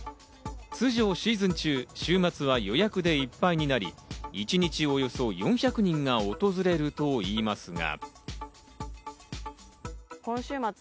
通常シーズン中、週末は予約でいっぱいになり、一日およそ４００人が訪れるといいますが。